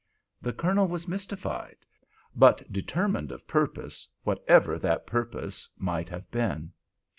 The Colonel was mystified—but determined of purpose—whatever that purpose might have been.